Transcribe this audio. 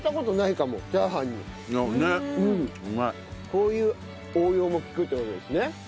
こういう応用も利くって事ですね。